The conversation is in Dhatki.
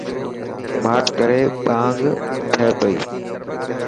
ماٺ ڪر ٻانگ ٿي پئي.